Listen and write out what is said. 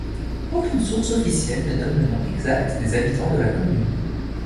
Aucune source officielle ne donne le nom exact des habitants de la commune.